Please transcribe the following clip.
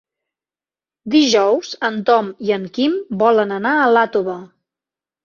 Dijous en Tom i en Quim volen anar a Iàtova.